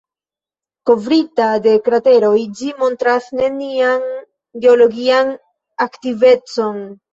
Kovrita de krateroj, ĝi montras nenian geologian aktivecon.